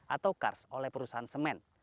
atau kars oleh perusahaan semen